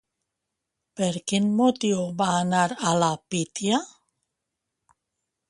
Per quin motiu va anar a la Pítia?